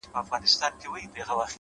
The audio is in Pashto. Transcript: انقلابي نامي نن په نسه کي ډوب و!